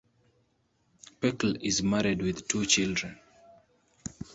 Pecl is married with two children.